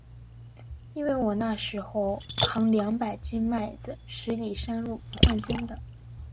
因为我那时候，扛两百斤麦子，十里山路不换肩的。